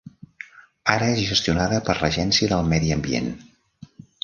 Ara és gestionada per l'Agència de Medi Ambient.